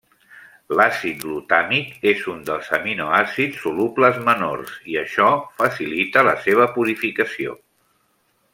L'àcid glutàmic és un dels aminoàcids solubles menors i això facilita la seva purificació.